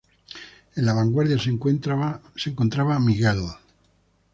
En la vanguardia se encontraba Miguel.